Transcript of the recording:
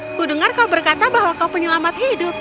aku dengar kau berkata bahwa kau penyelamat hidup